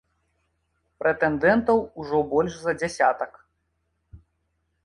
Прэтэндэнтаў ужо больш за дзясятак.